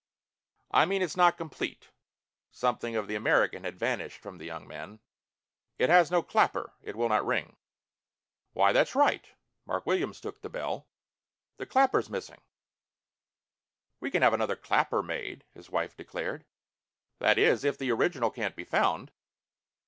"I mean it is not complete." Something of the American had vanished from the young man. "It has no clapper. It will not ring." "Why, that's right." Mark Williams took the bell. "The clapper's missing." "We can have another clapper made," his wife declared. "That is, if the original can't be found?"